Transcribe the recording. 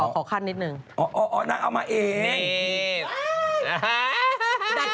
ขอขั้นนิดหนึ่งอ๋อนักเอามาเองนี่